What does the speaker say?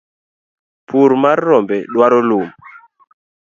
pur mar rombe dwaro lum